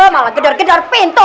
malah gedor gedor pintu